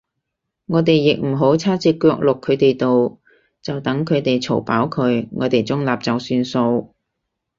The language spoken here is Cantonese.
我哋亦唔好叉隻腳落佢哋度，就等佢哋嘈飽佢，我哋中立就算數